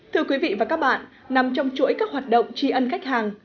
thưa quý vị và các bạn nằm trong chuỗi các hoạt động tri ân khách hàng